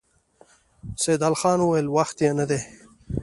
سيدال خان وويل: وخت يې نه دی؟